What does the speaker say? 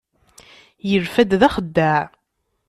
Yelfa-d d axeddaɛ.